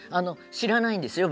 知らないんですよ。